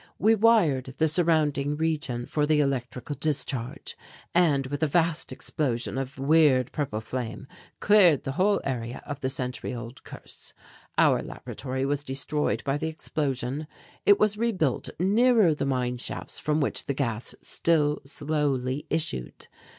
We wired the surrounding region for the electrical discharge and, with a vast explosion of weird purple flame, cleared the whole area of the century old curse. Our laboratory was destroyed by the explosion. It was rebuilt nearer the mine shafts from which the gas still slowly issued.